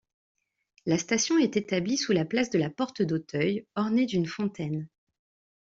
La station est établie sous la place de la Porte-d'Auteuil, ornée d'une fontaine.